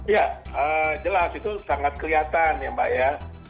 ya jelas itu sangat kelihatan ya mbak ya